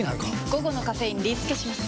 午後のカフェインリスケします！